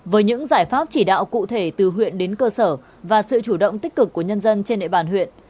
với những giải pháp chỉ đạo cụ thể từ huyện đến cơ sở và sự chủ động tích cực của nhân dân trên địa bàn huyện